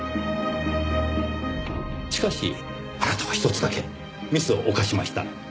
しかしあなたは一つだけミスを犯しました。